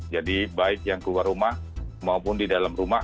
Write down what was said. jadi baik yang keluar rumah maupun di dalam rumah